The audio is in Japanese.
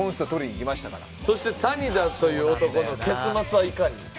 そして谷田という男の結末はいかに？